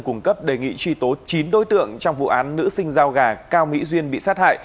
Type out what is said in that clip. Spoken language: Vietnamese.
cung cấp đề nghị truy tố chín đối tượng trong vụ án nữ sinh giao gà cao mỹ duyên bị sát hại